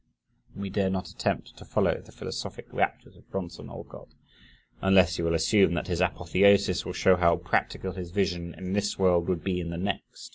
We dare not attempt to follow the philosophic raptures of Bronson Alcott unless you will assume that his apotheosis will show how "practical" his vision in this world would be in the next.